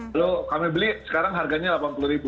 lalu kami beli sekarang harganya rp delapan puluh